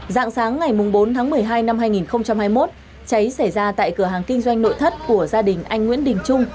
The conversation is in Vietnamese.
dạng sáng ngày bốn tháng một mươi hai năm hai nghìn hai mươi một cháy xảy ra tại cửa hàng kinh doanh nội thất của gia đình anh nguyễn đình trung